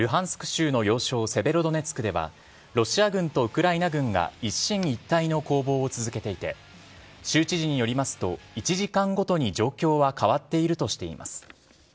州の要衝、セベロドネツクでは、ロシア軍とウクライナ軍が一進一退の攻防を続けていて、州知事によりますと、１時間ごとに状況は変わっているとしています。